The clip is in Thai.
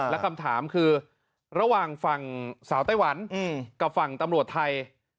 และคำถามคือระหว่างฝั่งสาวไต้หวันกับฝั่งตำรวจไทย